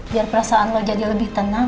biar perasaan lo jadi lebih tenang